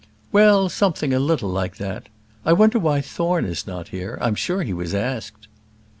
"Well, something a little like that. I wonder why Thorne is not here? I'm sure he was asked."